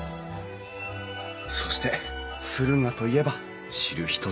そして敦賀といえば知る人ぞ知る